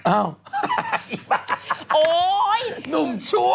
อ๋อโอ้หนุ่มชั่ว